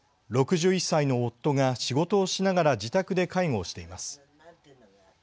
６１歳の夫が仕事をしながら自宅で介護をしています。